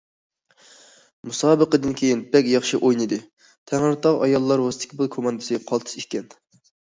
مۇسابىقىدىن كېيىن: بەك ياخشى ئوينىدى، تەڭرىتاغ ئاياللار ۋاسكېتبول كوماندىسى قالتىس ئىكەن!